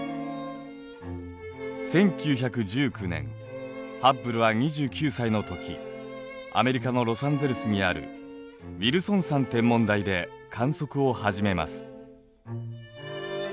１９１９年ハッブルは２９歳のときアメリカのロサンゼルスにあるウィルソン山天文台で観測をはじめます。